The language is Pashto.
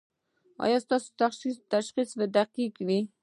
ایا ستاسو تشخیص دقیق دی؟